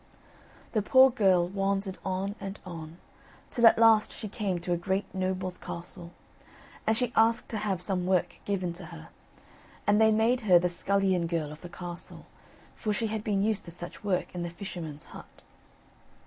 The poor girl wandered on and on, till at last she came to a great noble's castle, and she asked to have some work given to her; and they made her the scullion girl of the castle, for she had been used to such work in the fisherman's hut.